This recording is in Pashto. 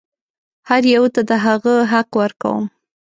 هر یوه ته د هغه حق ورکوم.